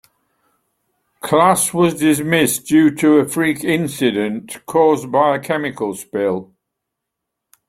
Class was dismissed due to a freak incident caused by a chemical spill.